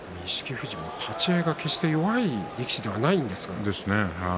富士も立ち合いが決して弱い力士ではないんですが。